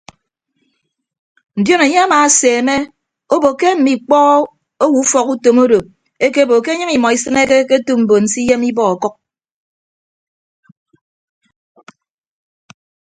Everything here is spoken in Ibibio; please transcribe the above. Ndion enye amaaseemme obo ke mme ikpọ owo ufọkutom odo ekebo ke enyịñ imọ isịneke ke otu mbon se iyem ibọ ọkʌk.